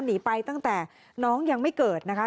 หนีไปตั้งแต่น้องยังไม่เกิดนะคะ